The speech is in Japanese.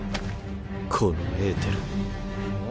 このエーテル。